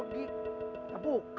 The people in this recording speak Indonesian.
gak pernah put